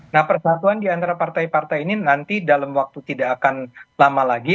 nah persatuan diantara partai partai ini nanti dalam waktu tidak akan lama lagi